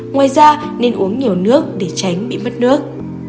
ngoài ra nên uống nhiều nước để tránh bị mất nước